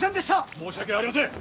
申し訳ありません！